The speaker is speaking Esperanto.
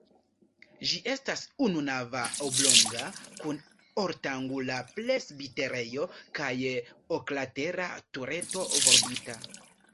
Ĝi estas ununava, oblonga kun ortangula presbiterejo kaj oklatera tureto, volbita.